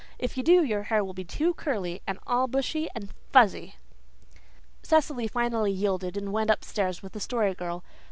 "If you do your hair will be too curly and all bushy and fuzzy." Cecily finally yielded and went upstairs with the Story Girl.